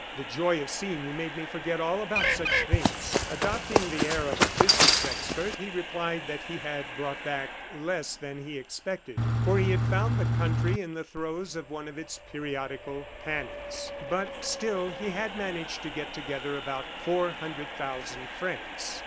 The joy of seeing you made me forget all about such things. ..." Adopting the air of a business expert, he replied that he had brought back less than he expected, for he had found the country in the throes of one of its periodical panics; but still he had managed to get together about four hundred thousand francs.